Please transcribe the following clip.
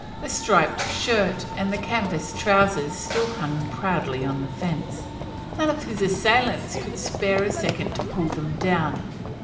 The striped shirt and canvas trowsers still hung proudly on the fence; none of his assailants could spare a second to pull them down.